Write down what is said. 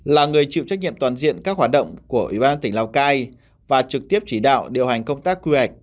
là người chịu trách nhiệm toàn diện các hoạt động của ủy ban tỉnh lào cai và trực tiếp chỉ đạo điều hành công tác quy hoạch